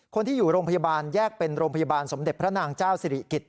คนที่อยู่โรงพยาบาลแยกเป็นโรงพยาบาลสมเด็จพระนางเจ้าสิริกิจ